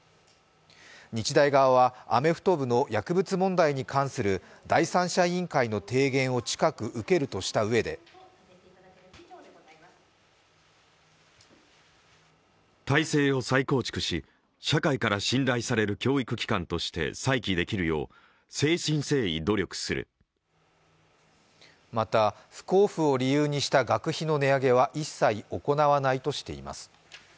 日大側はアメフト部の薬物問題に関する第三者委員会の提言を近く受けるとしたうえでまた不交付を理由にした学費の値上げは一切行わないとしています。